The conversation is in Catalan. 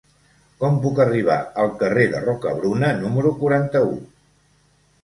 Com puc arribar al carrer de Rocabruna número quaranta-u?